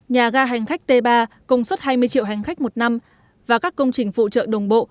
nhà ga hành khách t ba công suất hai mươi triệu hành khách một năm và các công trình phụ trợ đồng bộ